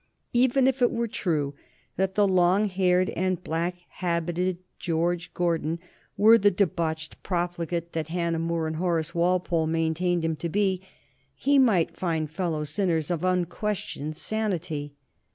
Even if it were true that the long haired and black habited George Gordon were the debauched profligate that Hannah More and Horace Walpole maintained him to be, he might find fellow sinners of unquestioned sanity.